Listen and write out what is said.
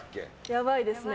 やばいですね。